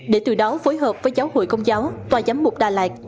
để từ đó phối hợp với giáo hội công giáo tòa giám mục đà lạt